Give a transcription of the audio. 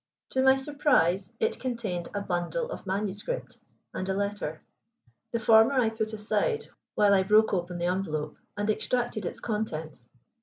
To my surprise, it contained a bundle of manuscript and a letter. The former I put aside, while I broke open the envelope and extracted its contents.